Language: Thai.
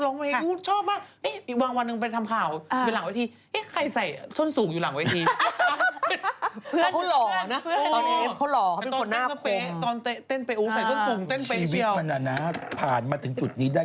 ลองให้อุภนตอนแห้งเป็นแฟนก็ต้องให้สิ